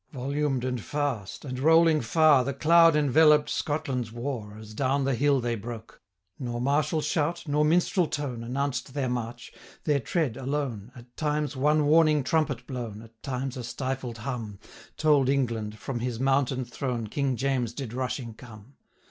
Volumed and fast, and rolling far, 750 The cloud enveloped Scotland's war, As down the hill they broke; Nor martial shout, nor minstrel tone, Announced their march; their tread alone, At times one warning trumpet blown, 755 At times a stifled hum, Told England, from his mountain throne King James did rushing come.